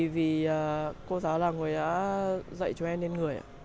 vì cô giáo là người đã dạy cho em nên người